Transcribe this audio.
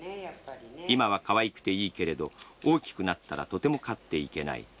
今はかわいくていいけれど大きくなったらとても飼っていけない。